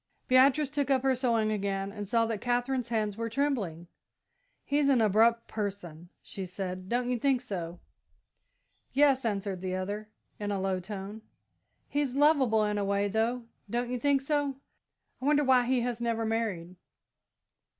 Beatrice took up her sewing again and saw that Katherine's hands were trembling. "He's an abrupt person," she said; "don't you think so?" "Yes," answered the other, in a low tone. "He's lovable in a way, though, don't you think so? I wonder why he has never married?"